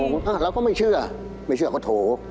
งงเราก็ไม่เชื่อไม่เชื่อก็โทร